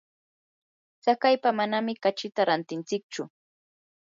tsakaypa manami kachita rantintsichu.